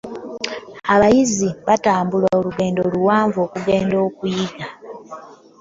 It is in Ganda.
Abayizzi batambula olugendo luwanvu okugenda okuyigga.